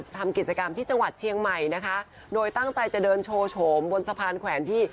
ทำกิจกรรมที่จังหวัดเชียงใหม่นะคะโดยตั้งใจจะเดินโชว์โฉมบนสะพานแขวนที่